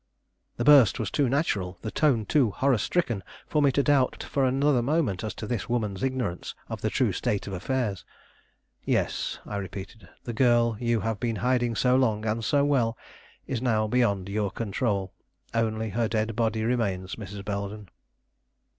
The burst was too natural, the tone too horror stricken for me to doubt for another moment as to this woman's ignorance of the true state of affairs. "Yes," I repeated, "the girl you have been hiding so long and so well is now beyond your control. Only her dead body remains, Mrs. Belden."